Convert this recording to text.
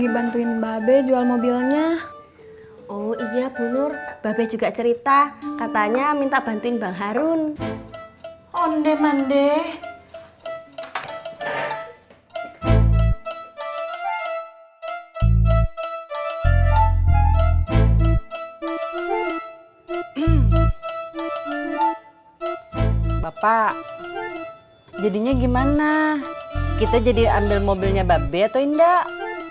bapak jadinya gimana kita jadi ambil mobilnya mbak be atau enggak